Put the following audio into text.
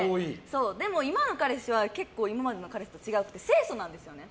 でも今の彼氏は結構、今までの彼氏と違って清楚なんですよね。